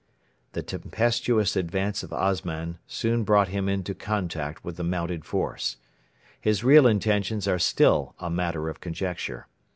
The tempestuous advance of Osman soon brought him into contact with the mounted force. His real intentions are still a matter of conjecture.